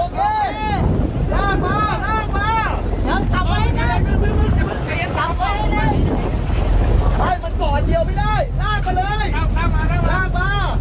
ไม่ได้ลากไปเลยลากป่าว